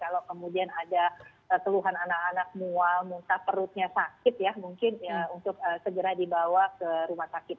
kalau kemudian ada keluhan anak anak mual muntah perutnya sakit ya mungkin untuk segera dibawa ke rumah sakit